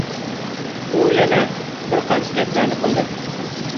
ئۇ يەنە بىر قانچە گەپلەرنى قىلدى.